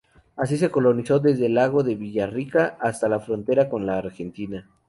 Así se colonizó desde el Lago de Villarrica hasta la frontera con la Argentina.